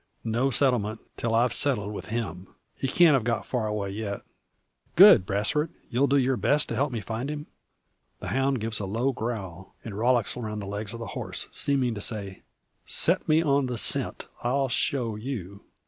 "No settlement, till I've settled with him! He can't have got far away yet. Good, Brasfort! you'll do your best to help me find him?" The hound gives a low growl, and rollicks around the legs of the horse, seeming to say: "Set me on the scent; I'll show you."